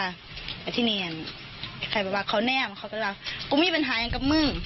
แล้วที่แนนใครบอกว่าเขาแนมเขาก็จะว่ากูมีปัญหาอย่างกับมึง